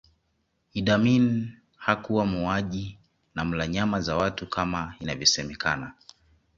Idi Amin hakuwa muuaji na mla nyama za watu kama inavyosemekana